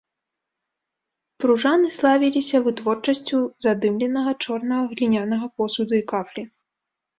Пружаны славіліся вытворчасцю задымленага чорнага глінянага посуду і кафлі.